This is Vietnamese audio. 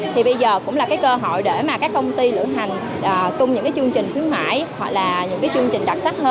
thì bây giờ cũng là cái cơ hội để mà các công ty lửa hành tung những cái chương trình khuyến mãi hoặc là những cái chương trình đặc sắc hơn